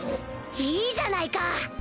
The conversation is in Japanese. いいじゃないか！